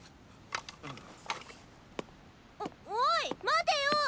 おおい待てよう！